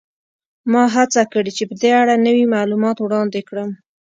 ما هڅه کړې چې په دې اړه نوي معلومات وړاندې کړم